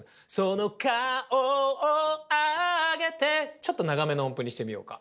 ちょっと長めの音符にしてみようか。